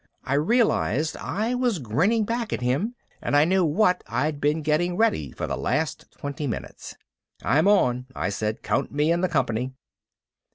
I realized I was grinning back at him, and I knew what I'd been getting ready for the last twenty minutes. "I'm on," I said. "Count me in the company."